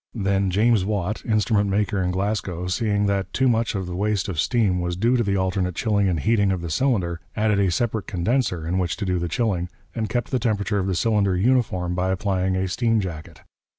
Then James Watt, instrument maker in Glasgow, seeing that much of the waste of steam was due to the alternate chilling and heating of the cylinder, added a separate condenser in which to do the chilling, and kept the temperature of the cylinder uniform by applying a steam jacket.